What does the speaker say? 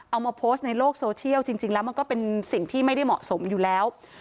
เอามาโพสต์ในโลกโซเชียลจริงแล้วมันก็เป็นสิ่งที่ไม่ได้เหมาะสมอยู่แล้ว